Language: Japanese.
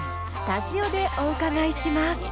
スタジオでお伺いします。